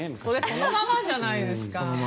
そのままじゃないですか。